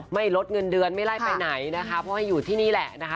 ไม่ลดเงินเดือนไม่ไล่ไปไหนนะคะเพราะให้อยู่ที่นี่แหละนะคะ